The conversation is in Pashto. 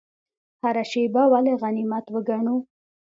هره شیبه ولې غنیمت وګڼو؟